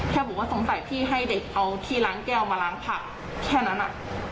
แค่บอกว่าสงสัยพี่ให้เด็กเอาที่ล้างแก้วมาล้างผักแค่นั้น